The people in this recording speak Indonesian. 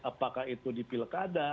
apakah itu di pilkada